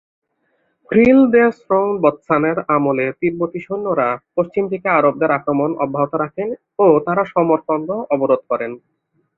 খ্রি-ল্দে-স্রোং-ব্ত্সানের আমলে তিব্বতী সৈন্যরা পশ্চিমদিকে আরবদের আক্রমণ অব্যাহত রাখেন ও তারা সমরকন্দ অবরোধ করেন।